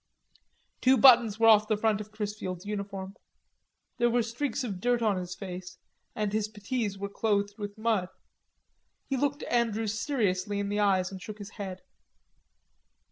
Two buttons were off the front of Chrisfield's uniform; there were streaks of dirt on his face, and his puttees were clothed with mud. He looked Andrews seriously in the eyes, and shook his head.